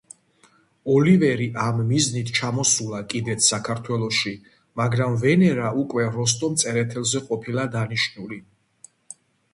ოლივერი ამ მიზნით ჩამოსულა კიდეც საქართველოში, მაგრამ ვენერა უკვე როსტომ წერეთელზე ყოფილა დანიშნული.